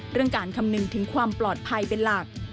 การคำนึงถึงความปลอดภัยเป็นหลัก